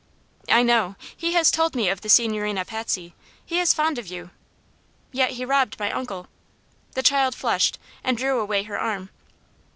"I know; he has told me of the Signorina Patsy. He is fond of you." "Yet he robbed my uncle." The child flushed, and drew away her arm.